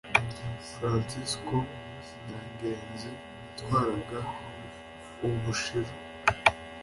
Fransisko Nyangezi yatwaraga Ubushiru